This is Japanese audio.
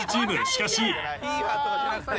しかし。